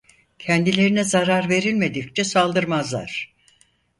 Kendilerine zarar verilmedikçe saldırmazlar.